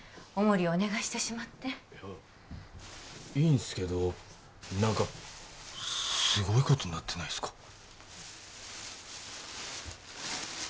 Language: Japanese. お守りをお願いしてしまっていやいいんすけど何かすごいことになってないっすか？